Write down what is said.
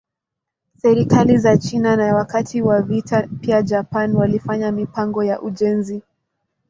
Serikali za China na wakati wa vita pia Japan walifanya mipango ya ujenzi.